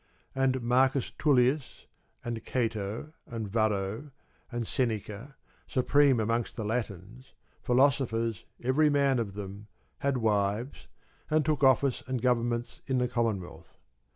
And Marcus Tullius, and Cato, and Varro, and Seneca, supreme amongst the Latins, philosophers every man of them, had wives, and took office and governments in the Commonwealth.